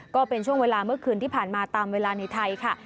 ก็เป็นช่วงเวลาเมื่อคืนที่ผ่านมาตามเวลาในไทยค่ะ